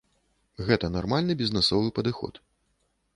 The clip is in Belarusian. Гэта нармальны бізнэсовы падыход.